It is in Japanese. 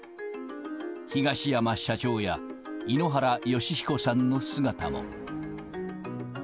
東山社長や井ノ原快彦さんの姿も。